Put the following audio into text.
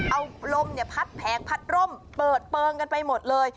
เอาลมพัดแผงพัดร่มเปิดเปิงกันไปหมดเลย